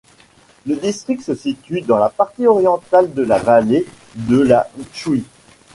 Le district se situe dans la partie orientale de la vallée de la Tchouï.